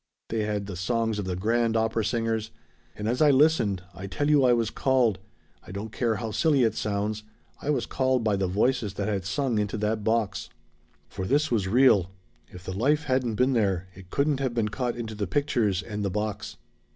They had the songs of the grand opera singers. And as I listened I tell you I was called! I don't care how silly it sounds I was called by the voices that had sung into that box. For this was real if the life hadn't been there it couldn't have been caught into the pictures and the box.